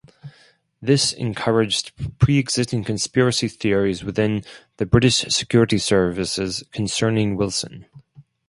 This encouraged pre-existing conspiracy theories within the British security services concerning Wilson.